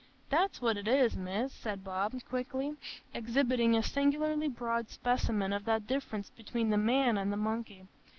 "That's what it is, Miss," said Bob, quickly, exhibiting a singularly broad specimen of that difference between the man and the monkey.